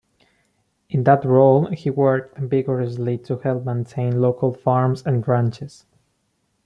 In that role, he worked vigorously to help maintain local farms and ranches.